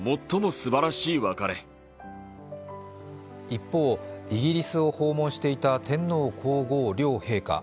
一方、イギリスを訪問していた天皇皇后両陛下。